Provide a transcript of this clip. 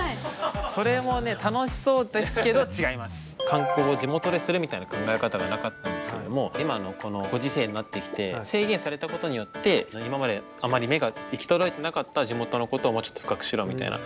観光を地元でするみたいな考え方がなかったんですけども今のこのご時世になってきて制限されたことによって今まであまり目が行き届いてなかった地元のことをもうちょっと深く知ろうみたいな。